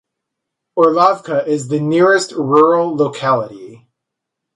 Orlovka is the nearest rural locality.